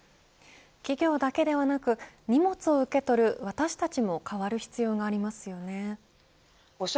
企業だけではなく荷物を受け取る私たちも変わる必要がありますよね。